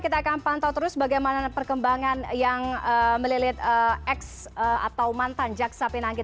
kita akan pantau terus bagaimana perkembangan yang melilit x atau mantan jaksa pinangki